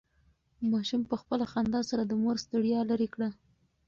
ماشوم په خپله خندا سره د مور ستړیا لرې کړه.